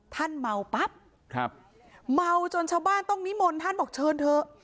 เมาปั๊บครับเมาจนชาวบ้านต้องนิมนต์ท่านบอกเชิญเถอะ